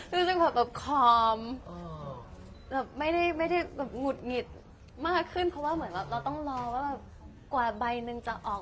รู้สึกแบบคอมไม่ได้หงุดหงิดมากขึ้นเพราะว่าเราต้องรอว่ากว่าใบหนึ่งจะออก